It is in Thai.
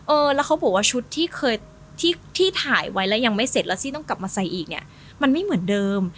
เออแล้วเขาบอกว่าชุดที่เคยที่ถ่ายไว้แล้วยังไม่เสร็จแล้วซี่ต้องกลับมาใส่อีกเนี่ยมันไม่เหมือนเดิม